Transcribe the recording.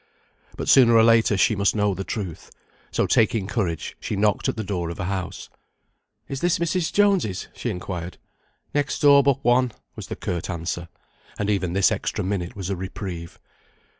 But sooner or later she must know the truth; so taking courage she knocked at the door of a house. "Is this Mrs. Jones's?" she inquired. "Next door but one," was the curt answer. And even this extra minute was a reprieve.